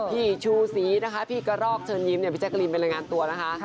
พี่ชูสีพี่กระลอกเชิญยิ้มพี่แจ๊ครีมทำเป็นรายงานตัวนะคะ